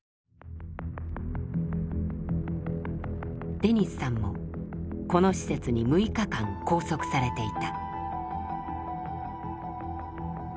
デニスさんもこの施設に６日間拘束されていた。